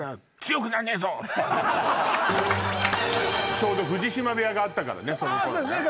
ちょうど藤島部屋があったからねそのころね。